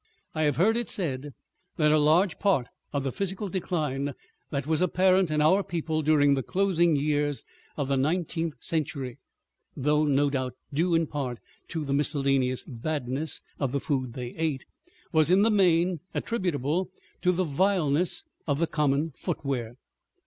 I have heard it said that a large part of the physical decline that was apparent in our people during the closing years of the nineteenth century, though no doubt due in part to the miscellaneous badness of the food they ate, was in the main attributable to the vileness of the common footwear.